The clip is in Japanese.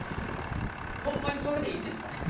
ホンマにそれでいいんですか？